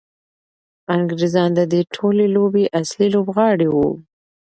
انګریزان د دې ټولې لوبې اصلي لوبغاړي وو.